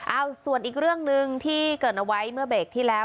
ส่วนอีกเรื่องหนึ่งที่เกิดเอาไว้เมื่อเบรกที่แล้ว